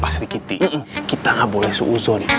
pak sri kiti kita gak boleh seuzon